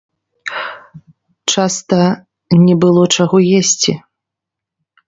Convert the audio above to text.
Часта не было чаго есці.